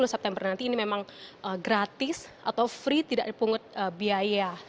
dua puluh september nanti ini memang gratis atau free tidak dipungut biaya